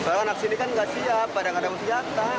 karena anak sini kan nggak siap pada nggak ada senjata